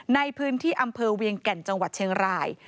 ในพื้นที่อำเภอเวียงแก่นจังหวัดเชียงราย